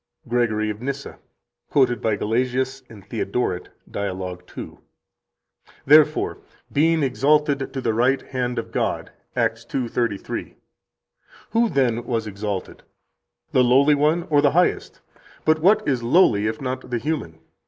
79 GREGORY OF NYSSA, quoted by Gelasius and Theodoret, Dialog 2 (t. 2., p. 333): "'Therefore, being exalted to the right hand of God' [ Acts 2:33 ]. Who, then, was exalted? The lowly one or the Highest? But what is lowly if not the human?